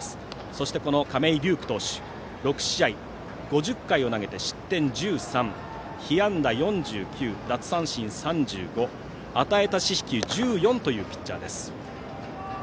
そして、亀井颯玖投手は６試合５０回を投げて失点１３、被安打４９奪三振３５与えた四死球１４というピッチャーです。